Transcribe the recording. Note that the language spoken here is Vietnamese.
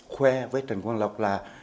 khoe với trần quang lộc là